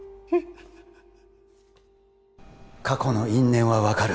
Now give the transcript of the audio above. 過去の因縁は分かる